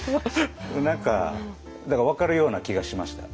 何かだから分かるような気がしました。